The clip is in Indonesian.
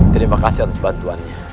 terima kasih atas bantuannya